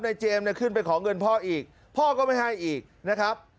เจมส์เนี่ยขึ้นไปขอเงินพ่ออีกพ่อก็ไม่ให้อีกนะครับ